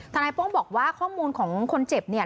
นายโป้งบอกว่าข้อมูลของคนเจ็บเนี่ย